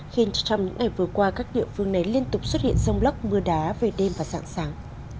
khiến trong những ngày vừa qua các địa phương này liên tục xuất hiện rông lóc mưa đá về đêm và dạng sáng